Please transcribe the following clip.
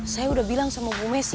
saya udah bilang sama bu messi